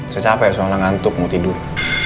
saya capek ya soalnya ngantuk mau tidur